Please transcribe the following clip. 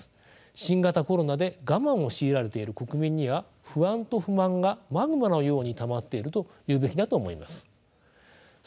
新型コロナで我慢を強いられている国民には不安と不満がマグマのようにたまっているというべきだと思います。